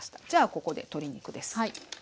じゃここで鶏肉です。